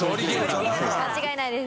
間違いないです。